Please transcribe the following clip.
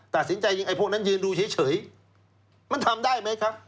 ตัดสินใจอย่างไอ้พวกนั้นยืนดูเฉยมันทำได้ไหมครับ